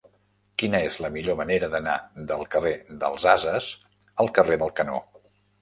Quina és la millor manera d'anar del carrer dels Ases al carrer del Canó?